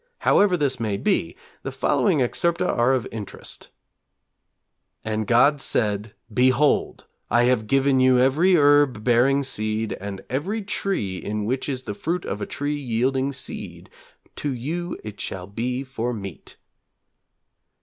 However this may be, the following excerpta are of interest: 'And God said: Behold, I have given you every herb bearing seed, and every tree in which is the fruit of a tree yielding seed, to you it shall be for meat.'